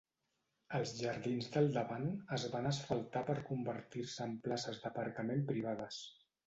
Els jardins del davant es van asfaltar per convertir-se en places d'aparcament privades.